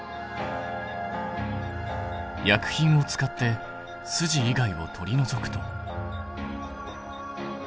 薬品を使って筋以外を取り除くと。